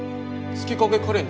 月影カレン。